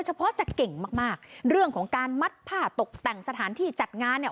เฉพาะจะเก่งมากมากเรื่องของการมัดผ้าตกแต่งสถานที่จัดงานเนี่ย